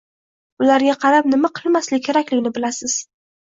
Ularga qarab, nima qilmaslik kerakligini bilasiz